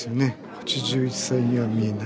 ８１歳には見えない。